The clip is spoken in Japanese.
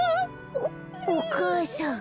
おお母さん。